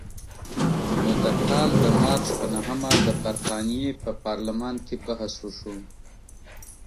نو د کال د مارچ په نهمه د برتانیې په پارلمان کې بحث وشو.